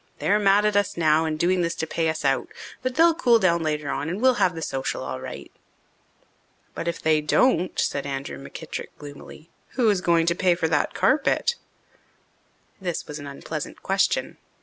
"They're mad at us now and doing this to pay us out. But they'll cool down later on and we'll have the social all right." "But if they don't," said Andrew McKittrick gloomily, "who is going to pay for that carpet?" This was an unpleasant question.